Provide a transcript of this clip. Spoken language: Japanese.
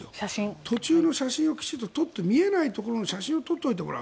途中の写真をきちんと撮って見えないところの写真を撮っておいてもらう。